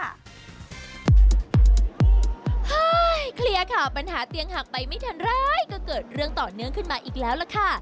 เคลียร์ข่าวปัญหาเตียงหักไปไม่ทันไรก็เกิดเรื่องต่อเนื่องขึ้นมาอีกแล้วล่ะค่ะ